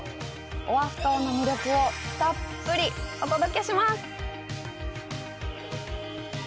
オアフ島の魅力をたっぷりお届けします！